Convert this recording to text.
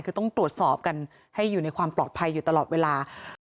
คือต้องตรวจสอบกันให้อยู่ในความปลอดภัยอยู่ตลอดเวลา